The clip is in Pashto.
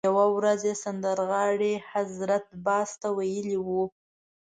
یوه ورځ یې سندرغاړي حضرت باز ته ویلي وو.